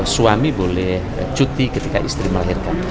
suami boleh cuti ketika istri melahirkan